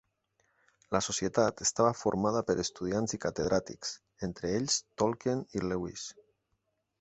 La societat estava formada per estudiants i catedràtics, entre ells Tolkien i Lewis.